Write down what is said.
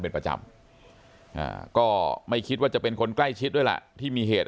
เป็นประจำก็ไม่คิดว่าจะเป็นคนใกล้ชิดด้วยล่ะที่มีเหตุ